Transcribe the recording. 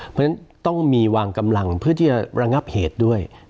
เพราะฉะนั้นต้องมีวางกำลังเพื่อที่จะระงับเหตุด้วย